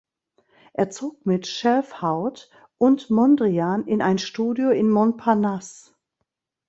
Er zog mit Schelfhout und Mondrian in ein Studio in Montparnasse.